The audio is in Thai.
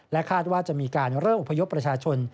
คาดว่าจะมีการเริ่มอพยพประชาชน